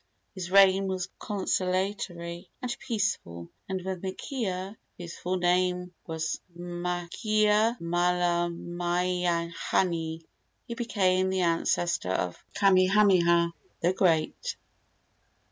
His reign was conciliatory and peaceful, and with Makea, whose full name was Makeamalamaihanae, he became the ancestor of Kamehameha the Great.